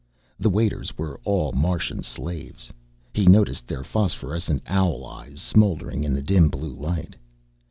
The waiters were all Martian slaves, he noticed, their phosphorescent owl eyes smoldering in the dim blue light.